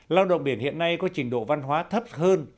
lao động biển hiện nay có trình độ văn hóa thấp hơn